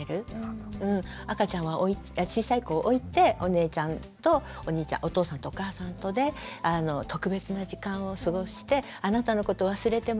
赤ちゃん小さい子を置いてお姉ちゃんとお兄ちゃんお父さんとお母さんとで特別な時間を過ごしてあなたのこと忘れてませんよって。